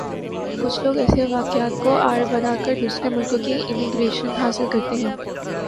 کُچھ لوگ ایسے واقعات کوآڑ بنا کردوسرے ملکوں کی امیگریشن حاصل کرتے ہیں